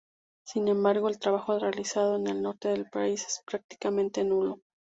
Sin embargo, el trabajo realizado en el norte del país es prácticamente nulo.